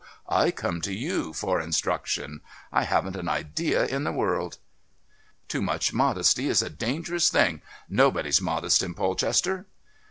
I come to you for instruction. I haven't an idea in the world." "Too much modesty is a dangerous thing. Nobody's modest in Polchester."